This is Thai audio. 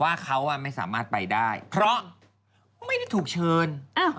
ว่าเขาไม่สามารถไปได้เพราะไม่ได้ถูกเชิญ